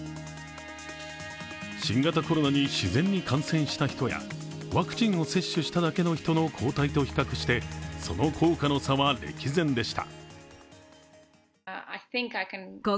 新型コロナに自然に感染した人やワクチンを接種しただけの人の抗体と比較してその効果の差は歴然でした。